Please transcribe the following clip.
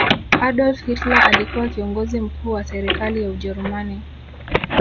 adolf hitler alikuwa kiongozi mkuu wa serikali ya ujerumani